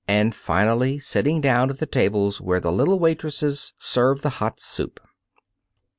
and, finally, sitting down at the tables where the little waitresses serve the hot soup.